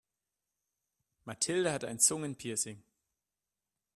Mathilde hat ein Zungenpiercing.